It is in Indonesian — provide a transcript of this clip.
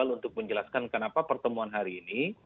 untuk menjelaskan kenapa pertemuan hari ini